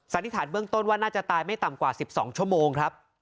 สันนิษฐานเบื้องต้นว่าน่าจะตายไม่ต่ำกว่า๑๒ชั่วโมงครับ